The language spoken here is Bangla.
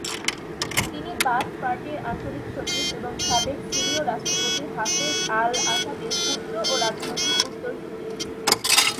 তিনি বাথ পার্টির আঞ্চলিক সচিব এবং সাবেক সিরীয় রাষ্ট্রপতি হাফেজ আল-আসাদের পুত্র ও রাজনৈতিক উত্তরসূরী।